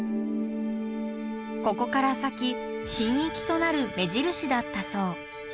ここから先神域となる目印だったそう。